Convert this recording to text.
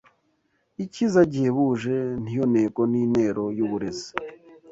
Icyiza gihebuje” ni yo ntego n’intero y’uburezi,